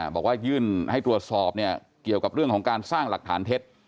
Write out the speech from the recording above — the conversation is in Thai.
บอกว่ายื่นให้ตรวจสอบเกี่ยวกับเรื่องของการสร้างหลักฐานเท็จ